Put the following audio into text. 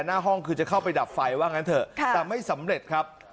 หน้าห้องคือจะเข้าไปดับไฟว่างั้นเถอะแต่ไม่สำเร็จครับ